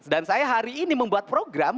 dan saya hari ini membuat program